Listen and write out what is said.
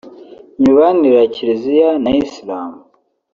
imibanire ya Kiliziya na Islam